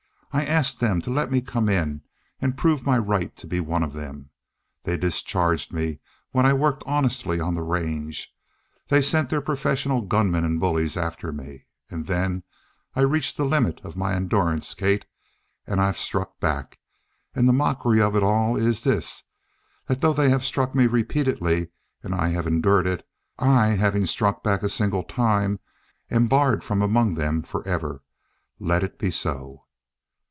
I asked them to let me come in and prove my right to be one of them. They discharged me when I worked honestly on the range. They sent their professional gunmen and bullies after me. And then I reached the limit of my endurance, Kate, and I struck back. And the mockery of it all is this that though they have struck me repeatedly and I have endured it, I having struck back a single time am barred from among them forever. Let it be so!"